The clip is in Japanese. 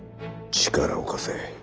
力を貸せ。